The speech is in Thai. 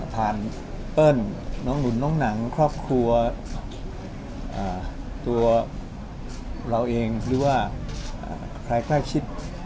เปิ้ลน้องหนุนน้องหนังครอบครัวตัวเราเองหรือว่าใครใกล้ชิด